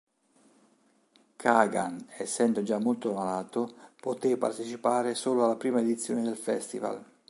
Kagan, essendo già molto malato, poté partecipare solo alla prima edizione del festival.